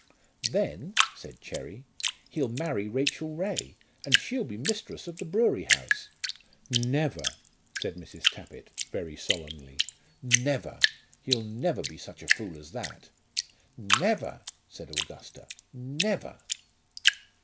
"Then," said Cherry, "he'll marry Rachel Ray, and she'll be mistress of the brewery house." "Never!" said Mrs. Tappitt, very solemnly. "Never! He'll never be such a fool as that." "Never!" said Augusta. "Never!"